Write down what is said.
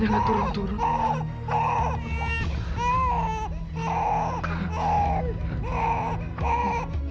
jangan turun turun